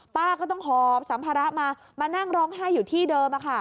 ป้าก็ต้องหอบสัมภาระมามานั่งร้องไห้อยู่ที่เดิม